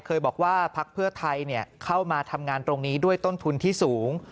เคยบอกว่าพักเพื่อไทยเข้ามาทำงานตรงนี้ด้วยต้นทุนที่สูง